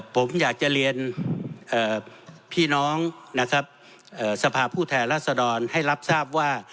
ผมอยากจะเรียนพี่น้องนะครับสภาพผู้แทนรัศดรให้รับทราบว่า